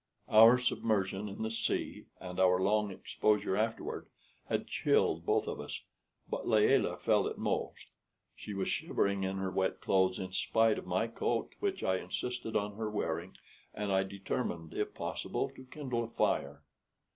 Our submersion in the sea and our long exposure afterward had chilled both of us, but Layelah felt it most. She was shivering in her wet clothes in spite of my coat which I insisted on her wearing, and I determined, if possible, to kindle a fire.